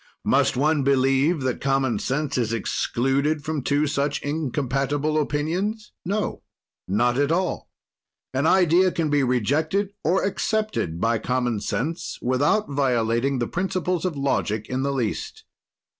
"Must one believe that common sense is excluded from two such incompatible opinions? "No, not at all. An idea can be rejected or accepted by common sense without violating the principles of logic in the least.